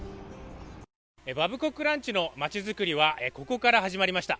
バブコックランチの町作りはここから始まりました。